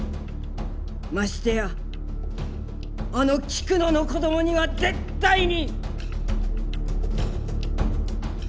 ましてやあの菊乃の子どもには絶対に！